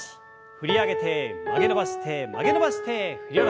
振り上げて曲げ伸ばして曲げ伸ばして振り下ろす。